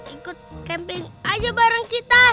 ikut camping aja bareng kita